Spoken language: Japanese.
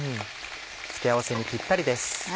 付け合わせにぴったりです。